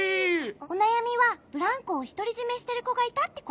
おなやみはブランコをひとりじめしてるこがいたってことね。